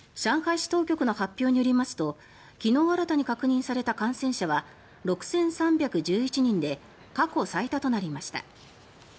上海市当局の発表によりますと昨日新たに確認された感染者は６３１１人で過去最多となりました。